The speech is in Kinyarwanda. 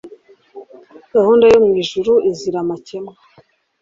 gahunda yo mu ijuru izira amakemwa